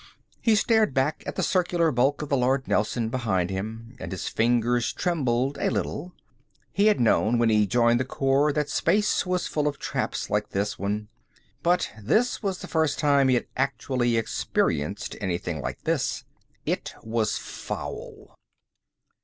He stared back at the circular bulk of the Lord Nelson behind him, and his fingers trembled a little. He had known, when he joined the Corps, that space was full of traps like this one but this was the first time he had actually experienced anything like this. It was foul.